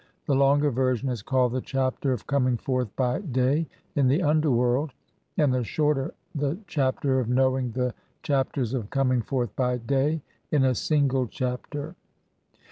The longer version is called the "Chapter of coming forth by day in the underworld", and the shorter the "Chapter of know ing the 'Chapters of coming forth by day' in a single Chapter".